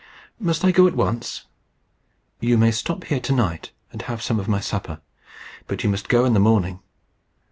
"Must I go at once?" "You may stop here to night, and have some of my supper. But you must go in the morning.